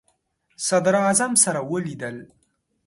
صدراعظم سره ولیدل.